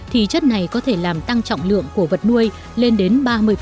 thì chất này có thể làm tăng trọng lượng của vật nuôi lên đến ba mươi